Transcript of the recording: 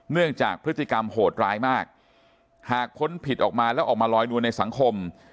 เนื่องจากพฤติกรรมโหดร้ายมากหากพ้นผิดออกมาแล้วออกมาลอยนวลในสังคม